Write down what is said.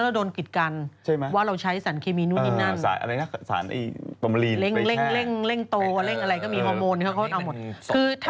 เราไปสั่งว่ากุ้งจากไทยไม่มีเข้ามาเลยนะ